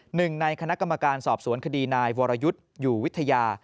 หนึ่งในคณะกรรมการสอบสวนคดีนายวรยุทธ์อยู่วิทยา